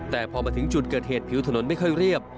แต่พอมาถึงจุดเกิดเหตุผิวถนนไม่ค่อยเรียบ